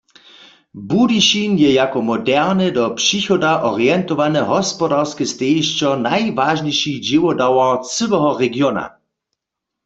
Budyšin je jako moderne, do přichoda orientowane hospodarske stejišćo najwažniši dźěłodawar cyłeho regiona.